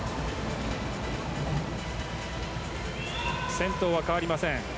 先頭は変わりません。